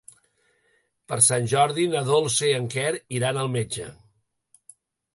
Per Sant Jordi na Dolça i en Quer iran al metge.